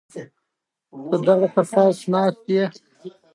نظر د ټولنو ته په مختلفو نمونو نومول شوي.